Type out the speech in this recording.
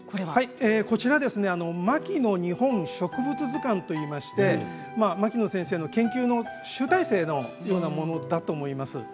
「牧野日本植物図鑑」といいまして牧野先生の研究の集大成のようなものだと思います。